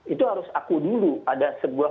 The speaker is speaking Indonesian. itu harus aku dulu pada sebuah